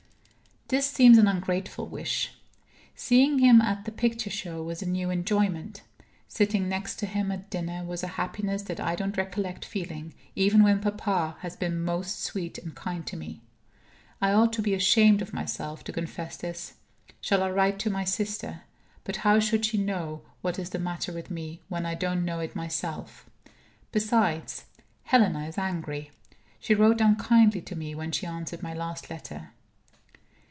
This seems an ungrateful wish. Seeing him at the picture show was a new enjoyment. Sitting next to him at dinner was a happiness that I don't recollect feeling, even when Papa has been most sweet and kind to me. I ought to be ashamed of myself to confess this. Shall I write to my sister? But how should she know what is the matter with me, when I don't know it myself? Besides, Helena is angry; she wrote unkindly to me when she answered my last letter.